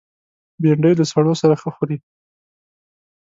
بېنډۍ له سړو سره ښه خوري